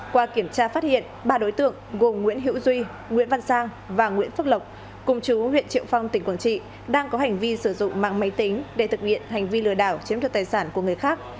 qua kiểm tra phát hiện ba đối tượng gồm nguyễn hữu duy nguyễn văn sang và nguyễn phước lộc cùng chú huyện triệu phong tỉnh quảng trị đang có hành vi sử dụng mạng máy tính để thực hiện hành vi lừa đảo chiếm được tài sản của người khác